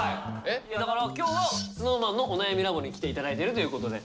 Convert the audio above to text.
だから今日は「ＳｎｏｗＭａｎのお悩み研究所」に来て頂いてるということで。